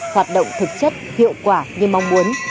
hoạt động thực chất hiệu quả như mong muốn